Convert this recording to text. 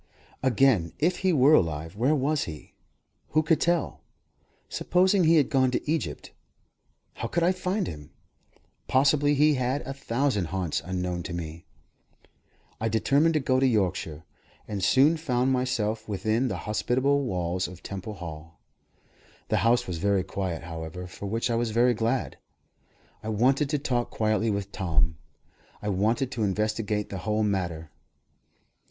Again, if he were alive, where was he? Who could tell? Supposing he had gone to Egypt, how could I find him? Possibly he had a thousand haunts unknown to me. I determined to go to Yorkshire, and soon found myself within the hospitable walls of Temple Hall. The house was very quiet, however for which I was very glad. I wanted to talk quietly with Tom; I wanted to investigate the whole matter.